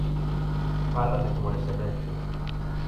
Fala de esmorecemento.